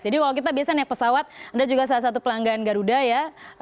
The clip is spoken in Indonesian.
jadi kalau kita biasanya naik pesawat anda juga salah satu pelanggan garuda ya